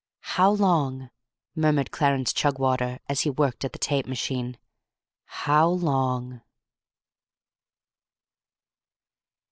"How long?" murmured Clarence Chugwater, as he worked at the tape machine. "How long?"